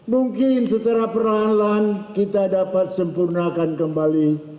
mungkin secara perlahan lahan kita dapat sempurnakan kembali